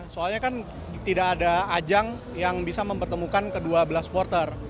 soalnya kan tidak ada ajang yang bisa mempertemukan kedua belah supporter